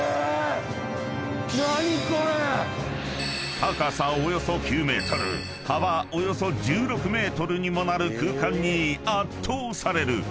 ［高さおよそ９ｍ幅およそ１６ｍにもなる空間に圧倒される］